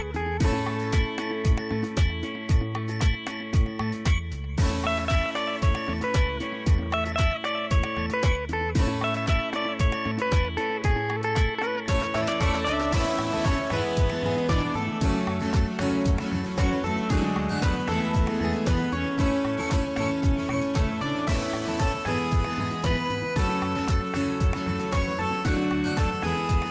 สวัสดีครับพิสิทธิ์มหันฯสวัสดีครับ